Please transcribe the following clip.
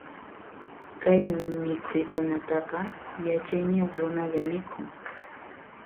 Kay mikhuykunataqa, yachayniyuq runalla mikhun.